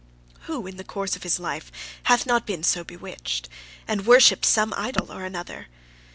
Who, in the course of his life, hath not been so bewitched, and worshipped some idol or another?